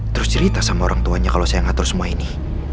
terus cerita sama orang tuanya kalau saya ngatur semua ini